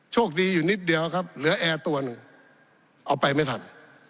โชคดีอยู่นิดเดียวครับเหลือแอร์ตัวหนึ่งเอาไปไม่ทัน